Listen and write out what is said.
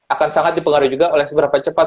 akan sangat dipengaruhi juga oleh seberapa cepat